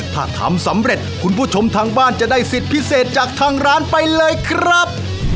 ถ้าทำสำเร็จคุณผู้ชมทางบ้านจะได้สิทธิ์พิเศษจากทางร้านไปเลยครับ